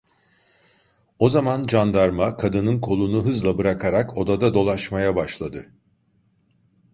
O zaman candarma, kadının kolunu hızla bırakarak odada dolaşmaya başladı.